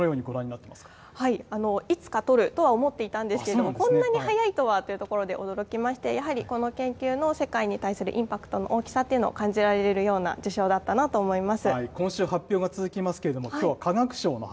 どうですか、カリコさんの受賞というのはどのようにご覧にないつかとるとは思っていたんですけれども、こんなに早いとはというところで驚きまして、やはりこの研究の世界に対するインパクトの大きさっていうのを感じられるような受賞だったなと思います。